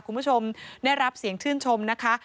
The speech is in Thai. คุณผู้ชมได้รับเสียงชื่นชมนะคะ